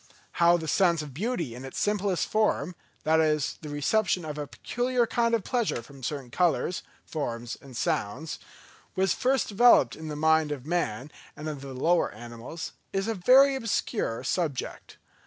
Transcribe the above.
How the sense of beauty in its simplest form—that is, the reception of a peculiar kind of pleasure from certain colours, forms and sounds—was first developed in the mind of man and of the lower animals, is a very obscure subject.